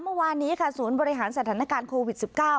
เมื่อวานนี้ค่ะศูนย์บริหารสถานการณ์โควิด๑๙